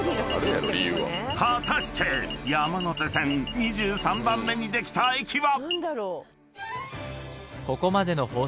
［果たして山手線２３番目にできた駅は？］